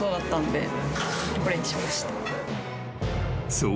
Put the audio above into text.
［そう。